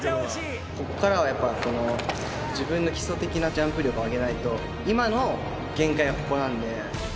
ここからはやっぱ、自分の基礎的なジャンプ力を上げないと、今の限界はここなんで。